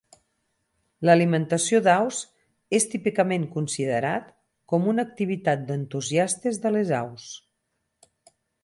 L'alimentació d'aus és típicament considerat com una activitat d'entusiastes de les aus.